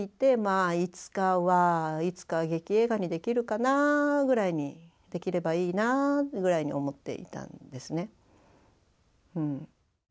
あいつかはいつか劇映画にできるかなあぐらいにできればいいなあぐらいに思っていたんですね。